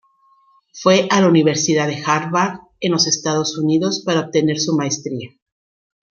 Fue a la Universidad de Harvard en los Estados Unidos para obtener su maestría.